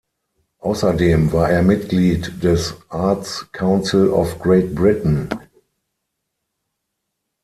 Außerdem war er Mitglied des Arts Council of Great Britain.